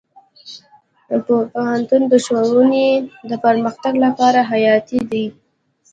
پوهنتون د ښوونې د پرمختګ لپاره حیاتي دی.